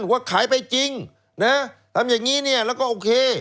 ว่าขายไปจริงนะทำอย่างนี้เนี่ยแล้วก็โอเค